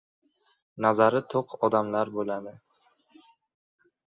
Nazari to‘q odamlar bo‘ladi.